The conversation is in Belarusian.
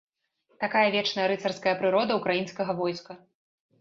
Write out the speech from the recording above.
Такая вечная рыцарская прырода ўкраінскага войска.